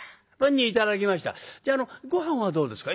「じゃああのごはんはどうですか？」。